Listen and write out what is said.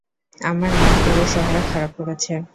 আমার নাম পুরো শহরে খারাপ করেছে।